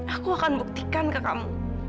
aku akan buktikan ke kamu